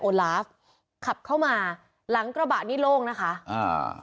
ลาฟขับเข้ามาหลังกระบะนี่โล่งนะคะอ่า